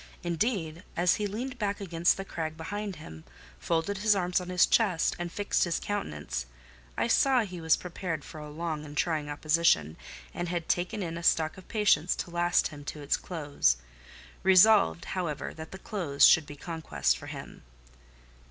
Indeed, as he leaned back against the crag behind him, folded his arms on his chest, and fixed his countenance, I saw he was prepared for a long and trying opposition, and had taken in a stock of patience to last him to its close—resolved, however, that that close should be conquest for him.